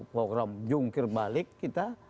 program jungkir balik kita